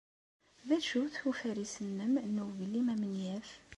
D acu-t ufaris-nnem n uglim amenyaf?